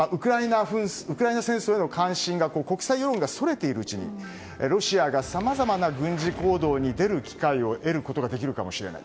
ウクライナ戦争への関心が国際世論からそれているうちにロシアがさまざまな軍事行動に出る機会を得ることができるかもしれない。